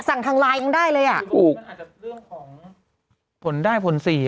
มันอาจจะเป็นเรื่องของผลได้ผลเสีย